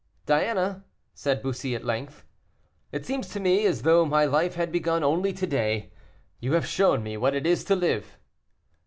"Diana," said Bussy at length, "it seems to me as though my life had begun only to day. You have shown me what it is to live."